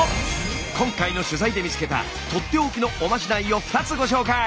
今回の取材で見つけたとっておきのおまじないを２つご紹介！